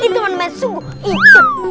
itu man man sungguh ikut